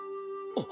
あっ。